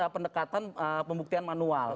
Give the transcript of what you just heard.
pendekatan pembuktian manual